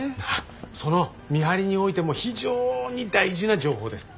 その見張りにおいても非常に大事な情報です。